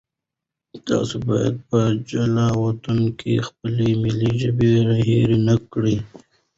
تاسو باید په جلاوطنۍ کې خپله ملي ژبه هېره نه کړئ.